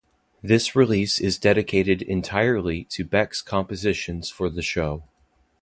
This release is entirely dedicated to Beck's compositions for the show.